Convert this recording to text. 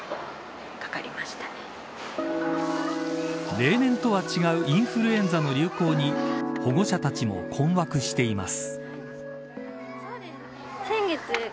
例年とは違うインフルエンザの流行に保護者たちも困惑しています。